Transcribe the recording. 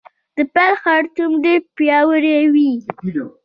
د پیل خرطوم ډیر پیاوړی وي